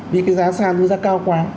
vì cái giá sàn nó ra cao quá